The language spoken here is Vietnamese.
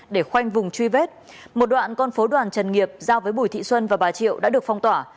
để khoanh vùng truy vết một đoạn con phố đoàn trần nghiệp giao với bùi thị xuân và bà triệu đã được phong tỏa